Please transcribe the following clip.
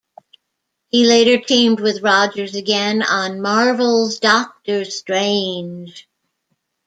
He later teamed with Rogers again on Marvel's "Doctor Strange".